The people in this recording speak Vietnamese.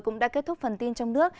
cũng đã kết thúc phần tin trong nước